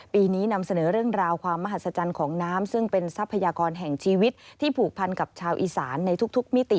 ปีนี้นำเสนอเรื่องราวความมหัศจรรย์ของน้ำซึ่งเป็นทรัพยากรแห่งชีวิตที่ผูกพันกับชาวอีสานในทุกมิติ